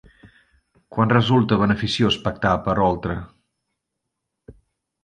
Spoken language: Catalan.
Quan resulta beneficiós pactar per a Oltra?